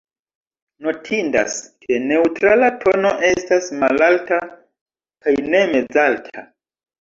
Notindas, ke neŭtrala tono estas malalta kaj ne mezalta.